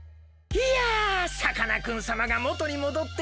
いやさかなクンさまがもとにもどってよかった。